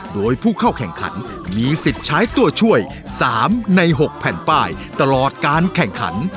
โดยผู้เข้าแข่งขันมีสิทธิ์ใช้ตัวช่วย๓ใน๖แผ่นป้ายตลอดการแข่งขัน